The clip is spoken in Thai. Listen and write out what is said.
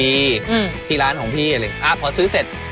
อุ้ยพลินแร่งของเพื่อน